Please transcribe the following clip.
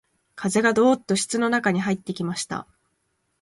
風がどうっと室の中に入ってきました